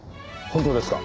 本当ですか？